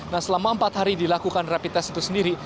nah selama empat hari dilakukan rapid test itu sendiri